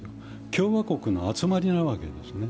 共和国の集まりなわけですね。